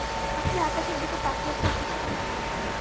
আপনি আকাশের দিকে তাকিয়েছেন কিছুক্ষণ আগে।